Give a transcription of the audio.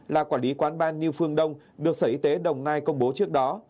là quản lý quán ban new phương đông được sở y tế đồng nai công bố trước đó